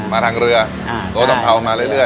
ด้วยทางเรือโต๊ะต้องเผามาเรื่อย